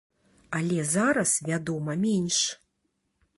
Але зараз, вядома, менш.